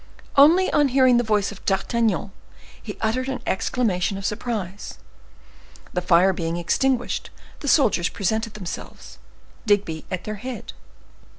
Only, on hearing the voice of D'Artagnan, he uttered an exclamation of surprise. The fire being extinguished, the soldiers presented themselves, Digby at their head.